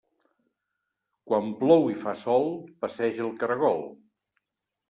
Quan plou i fa sol, passeja el caragol.